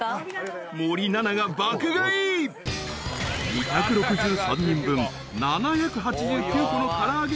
［２６３人分７８９個の唐揚げ。